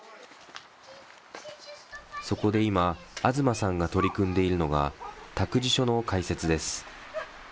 そこで今、東さんが取り組んでいるのが、託児所の開設です。